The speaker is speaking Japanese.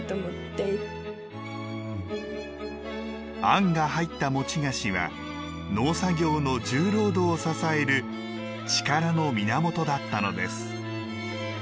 あんが入った餅菓子は農作業の重労働を支える力の源だったのです。